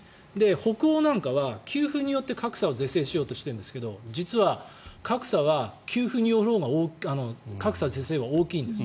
北欧なんかは給付によって格差を是正しようとしているんですけど実は格差は給付によるほうが格差是正が大きいんです。